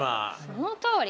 そのとおり。